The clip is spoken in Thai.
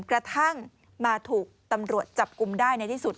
กระทั่งมาถูกตำรวจจับกลุ่มได้ในที่สุด